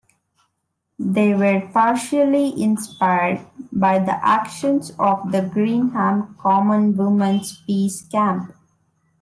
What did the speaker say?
They were partially inspired by the actions of the Greenham Common Women's Peace Camp.